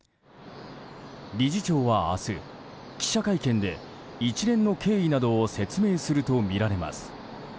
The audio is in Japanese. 理事長は明日、記者会見で一連の経緯などを説明するとみられます。